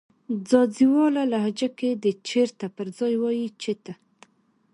ځاځيواله لهجه کې د "چیرته" پر ځای وایې "چیته"